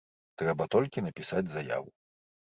Трэба толькі напісаць заяву.